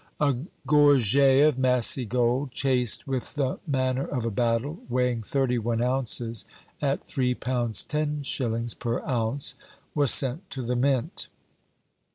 A gorget of massy gold, chased with the manner of a battle, weighing thirty one ounces, at £3 10_s_. per ounce, was sent to the Mint.